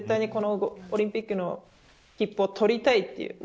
オリンピックの切符を取りたいという。